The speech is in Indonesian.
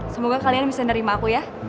semoga kalian bisa nerima aku ya